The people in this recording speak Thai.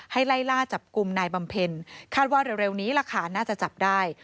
ไล่ล่าจับกลุ่มนายบำเพ็ญคาดว่าเร็วนี้ล่ะค่ะน่าจะจับได้